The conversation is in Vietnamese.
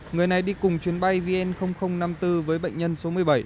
người này đi cùng chuyến bay vn năm mươi bốn với bệnh nhân số một mươi bảy